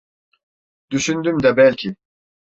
Düşündüm de belki…